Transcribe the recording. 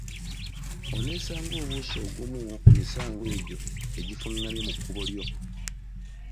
Oneesanga obuuse ogumu ku misanvu egyo egifungamye mu kkubo lyo.